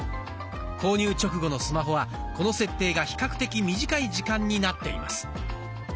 購入直後のスマホはこの設定が比較的短い時間になっています。